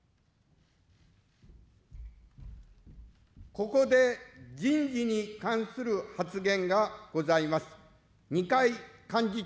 ここで人事に関する発言がございます。